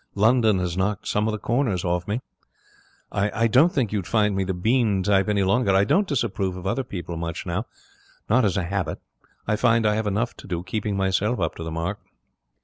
London has knocked some of the corners off me. I don't think you would find me the Bean type any longer. I don't disapprove of other people much now. Not as a habit. I find I have enough to do keeping myself up to the mark.'